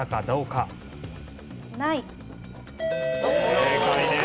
正解です。